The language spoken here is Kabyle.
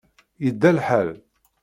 Yedda lḥal.